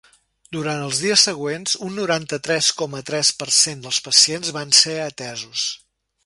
Durant els dies següents, un noranta-tres coma tres per cent dels pacients van ser atesos.